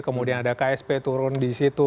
kemudian ada ksp turun disitu